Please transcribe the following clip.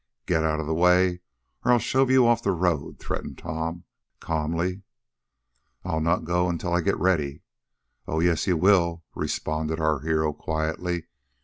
"Get out of the way, or I'll shove you off the road!" threatened Tom, calmly. "I'll not go until I get ready." "Oh, yes you will," responded our hero quietly.